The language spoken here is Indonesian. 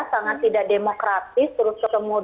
sangat tidak demokratis